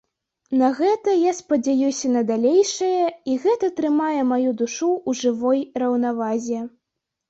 На гэта я спадзяюся на далейшае, і гэта трымае маю душу ў жывой раўнавазе.